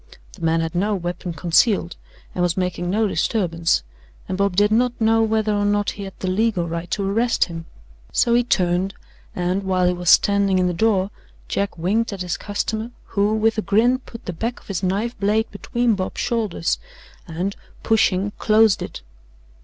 The man had no weapon concealed and was making no disturbance, and Bob did not know whether or not he had the legal right to arrest him, so he turned, and, while he was standing in the door, Jack winked at his customer, who, with a grin, put the back of his knife blade between Bob's shoulders and, pushing, closed it.